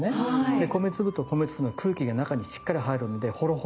で米粒と米粒の空気が中にしっかり入るのでホロホロとした食感。